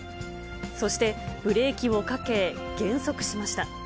そして、ブレーキをかけ、減速しました。